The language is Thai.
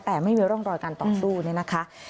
แต่ไม่มีร่องรอยการต่อสู้เนี่ยนะคะ